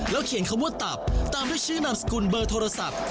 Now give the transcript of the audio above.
เขียนคำว่าตับตามด้วยชื่อนามสกุลเบอร์โทรศัพท์